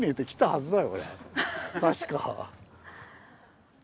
確か。